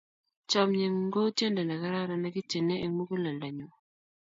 Chomye ng'ung' kou tyendo ne kararan ne kityenei eng' muguleldanyu.